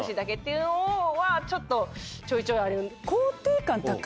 っていうのはちょっとちょいちょいある。